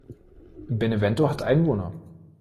Benevento hat Einwohner.